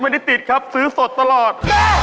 ไม่ได้ติดครับซื้อสดตลอด